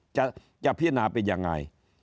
จะพิจารณาเป็นยังไง